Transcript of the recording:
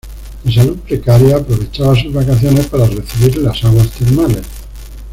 De salud precaria, aprovechaba sus vacaciones para recibir las aguas termales.